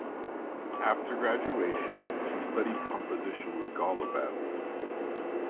After graduation, she studied composition with Golubev.